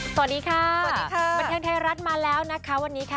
สวัสดีค่ะสวัสดีค่ะบันเทิงไทยรัฐมาแล้วนะคะวันนี้ค่ะ